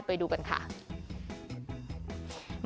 ไปดูกันค่ะ